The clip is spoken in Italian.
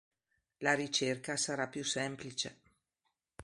La ricerca sarà più semplice.